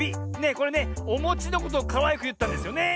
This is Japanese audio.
これねおもちのことをかわいくいったんですよね？